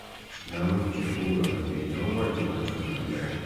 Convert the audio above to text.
namke huyo angenyongwa jumatano ya leo